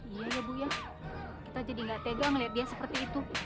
iya ya buya kita jadi gak tega melihat dia seperti itu